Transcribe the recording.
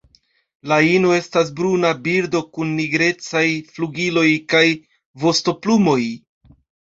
La ino estas bruna birdo kun nigrecaj flugiloj kaj vostoplumoj.